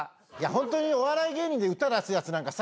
ホントにお笑い芸人で歌出すやつなんか。